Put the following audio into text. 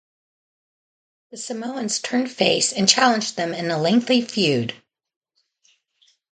The Samoans turned face and challenged them in a lengthy feud.